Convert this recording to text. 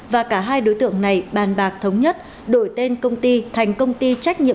và cả hai đối tượng này bàn bạc thống nhất đổi tên công ty thành công ty trách nhiệm